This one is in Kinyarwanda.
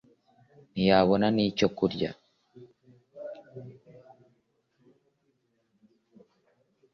…ntiyabona n’icyo kurya